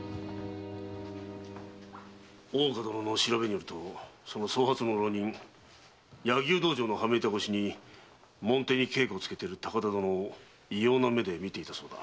大岡殿の調べによるとその総髪の浪人柳生道場の羽目板越しに門弟に稽古をつけている高田殿を異様な目で見ていたそうだ。